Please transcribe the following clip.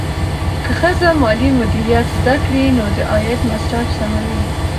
که ښځه مالي مدیریت زده کړي، نو د عاید مصرف سموي.